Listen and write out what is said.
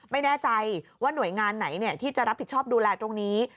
ไม่แน่ใจว่าหน่วยงานไหนที่จะรับผิดชอบดูแลตรงนี้